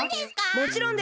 もちろんです。